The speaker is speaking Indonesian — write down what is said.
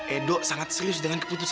edo sangat serius dengan keputusan